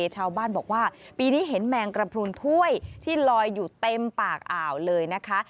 ชาวบ้านบอกว่าปีนี้เห็นแมงกระพรุนถ้วยที่ลอยอยู่เต็มปากอ่าวเลยนะคะ